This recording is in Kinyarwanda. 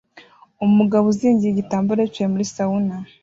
Umugabo uzingiye igitambaro yicaye muri sauna